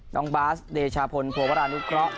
น้องบาสเดชาพลโผล่พระอนุเคราะห์